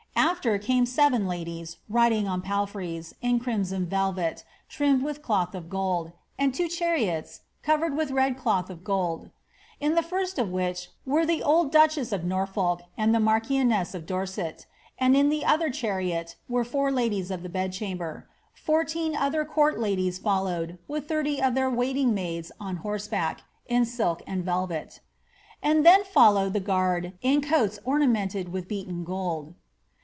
After came seven ladies, riding on palfreys, in crimson velvet, trimmed with cloth of gold, and two cha riots, covered with red cloth of gold ; in the first of which were the old duchess of Norfolk and the marchioness of Dorset, and in the other chariot were four ladies of the bedchamber ; fourteen other court ladies AiUowed, with thirty of their waiting maids on horseback, in silk and velvet; and then followed the guard, in coats ornamented with beaten ^d."